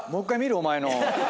お前の。